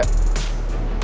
cowok yang manja